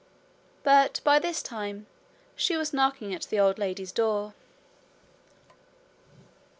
But by this time she was knocking at the old lady's door.